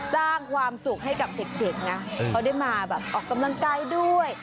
สร้างความสุขให้กับเด็กนะเขาได้มาแบบออกกำลังกายด้วย